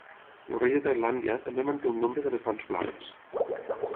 El rei de Tailàndia, també manté un nombre d'elefants blancs.